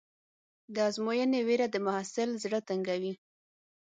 د ازموینې وېره د محصل زړه تنګوي.